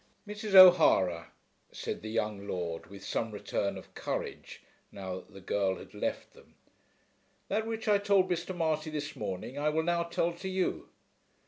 "Mrs. O'Hara," said the young lord, with some return of courage now that the girl had left them, "that which I told Mr. Marty this morning, I will now tell to you.